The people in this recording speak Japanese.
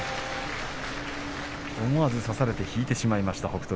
思わず差されて引いてしまいました北勝